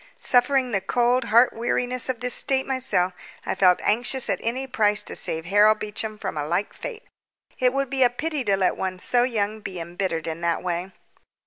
Suffering the cold heart weariness of this state myself, I felt anxious at any price to save Harold Beecham from a like fate. It would be a pity to let one so young be embittered in that way.